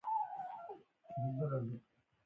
سیاح خو څه تفتیش ته نه وي راغلی.